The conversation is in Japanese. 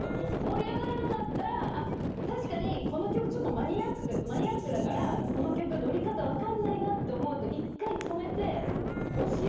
盛り上がらなかったら確かにこの曲ちょっとマニアックだからこの曲ノリ方分かんないなって思うと。